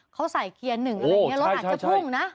เขาใส่เกียร์หนึ่งอะไรอย่างนี้รถอาจจะพุ่งนะ